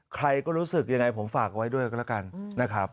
ใครก็รู้สึกยังไงผมฝากไว้ด้วยก็แล้วกันนะครับ